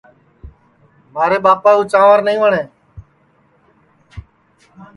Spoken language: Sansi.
مھارے ٻاپا کُو چانٚور نائی وٹؔے